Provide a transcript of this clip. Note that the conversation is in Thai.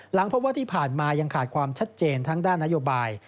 พบว่าที่ผ่านมายังขาดความชัดเจนทั้งด้านนโยบาย